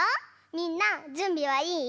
みんなじゅんびはいい？